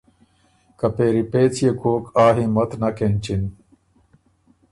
که پېری پېڅ يې کوک آ همت نک اېنچِن